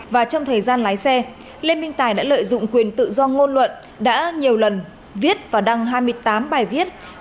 và trong thời gian lái xe lê minh tài đã lợi dụng quyền tự do ngôn luận đã nhiều lần viết và đăng hai mươi tám bài viết